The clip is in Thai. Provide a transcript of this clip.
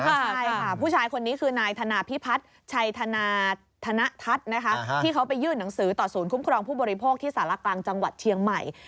ใช่ค่ะผู้ชายคนนี้คือนายธนาพิพัฒน์ชัยธนาธนทัศน์นะคะที่เขาไปยื่นหนังสือต่อศูนย์คุ้มครองผู้บริโภคที่สารกลางจังหวัดเชียงใหม่